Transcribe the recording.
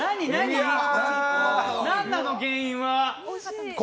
何なの原因は？